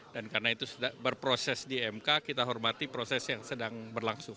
dan karena itu berproses di mk kita hormati proses yang sedang berlangsung